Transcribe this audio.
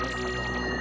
bukan cuma sekedarwarmor